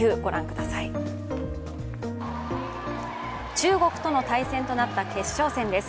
中国との対戦となった決勝戦です。